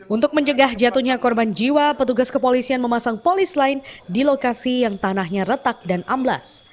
untuk mencegah jatuhnya korban jiwa petugas kepolisian memasang polis lain di lokasi yang tanahnya retak dan amblas